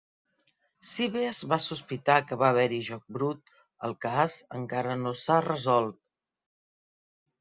Si bé es va sospitar que va haver-hi joc brut, el cas encara no s'ha resolt.